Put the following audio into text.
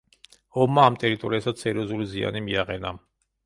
ომმა ამ ტერიტორიასაც სერიოზული ზიანი მიაყენა.